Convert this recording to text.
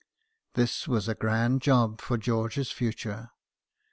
This was a grand job for George's future.